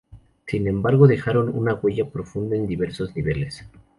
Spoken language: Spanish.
Sin embargo dejaron una huella profunda en diversos niveles.